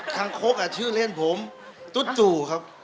คังโค๊กอ่ะชื่อเล่นผมตู้ตู้ครับ